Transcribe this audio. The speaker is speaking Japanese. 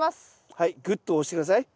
はいぐっと押して下さい。